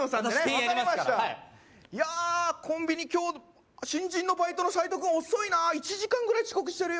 分かりましたいやあコンビニ今日新人のバイトの斎藤君遅いな１時間ぐらい遅刻してるよ